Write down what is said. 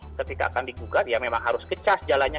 nah ini ketika akan di gugat ya memang harus ke cas jalannya